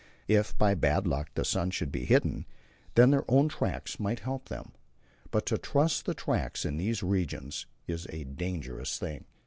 If by bad luck the sun should be hidden, then their own tracks might help them. But to trust to tracks in these regions is a dangerous thing.